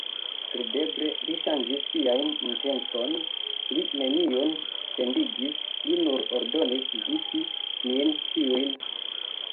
Kredeble, li ŝanĝis sian intencon, li neniun pendigis, li nur ordonis vipi nin ĉiujn.